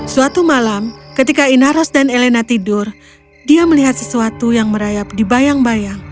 suatu malam ketika inaros dan elena tidur dia melihat sesuatu yang merayap dibayang bayang